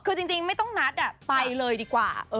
คือจริงไม่ต้องนัดไปเลยดีกว่า